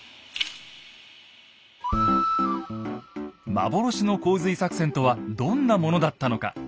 幻の洪水作戦とはどんなものだったのか。